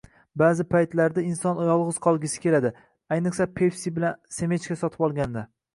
Ba'zi paytlarda inson yolg'iz qolgisi keladi. Ayniqsa, Pepsi bilan semechka sotib olganida...